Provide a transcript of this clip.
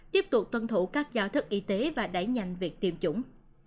tiếp tục tuân thủ các giao thức y tế và đẩy nhanh việc tiêm chủng